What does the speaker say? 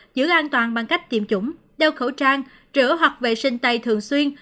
giữ an toàn bằng cách tiêm chủng đeo khẩu trang rửa hoặc vệ sinh tay thường xuyên